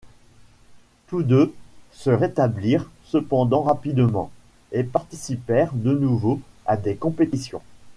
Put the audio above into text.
Tous deux se rétablirent cependant rapidement, et participèrent de nouveau à des compétitions.